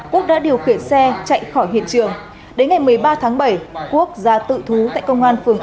quốc đã điều khiển xe chạy khỏi hiện trường đến ngày một mươi ba tháng bảy quốc ra tự thú tại công an phường